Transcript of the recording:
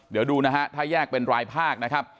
เดี๋ยวดูนะฮะถ้าแยกเป็นรายภาคนะครับ